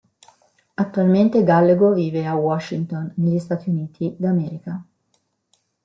Attualmente Gallego vive a Washington, negli Stati Uniti d'America.